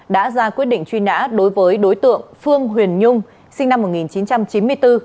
đã ra quyết định truy nã đối với đối tượng phương huyền nhung sinh năm một nghìn chín trăm chín mươi bốn